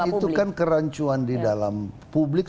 jadi kan itu kan kerancuan di dalam publik